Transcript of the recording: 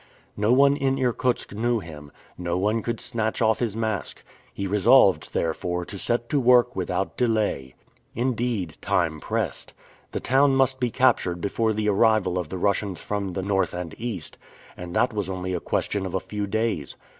No one in Irkutsk knew him, no one could snatch off his mask. He resolved therefore to set to work without delay. Indeed, time pressed. The town must be captured before the arrival of the Russians from the North and East, and that was only a question of a few days.